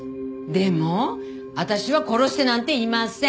でも私は殺してなんていません。